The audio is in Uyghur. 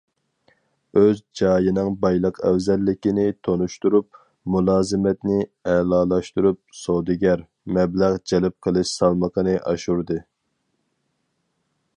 ئۆز جايىنىڭ بايلىق ئەۋزەللىكىنى تونۇشتۇرۇپ، مۇلازىمەتنى ئەلالاشتۇرۇپ، سودىگەر، مەبلەغ جەلپ قىلىش سالمىقىنى ئاشۇردى.